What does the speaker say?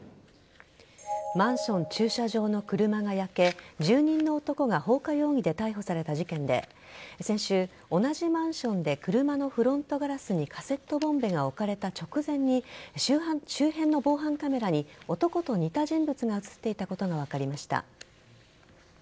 マンション駐車場の車が焼け住人の男が放火容疑で逮捕された事件で先週、同じマンションで車のフロントガラスにカセットボンベが置かれた直前に周辺の防犯カメラに男と似た人物が映っていたことが分かりました。